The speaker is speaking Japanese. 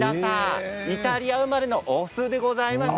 イタリア生まれのお酢でございます。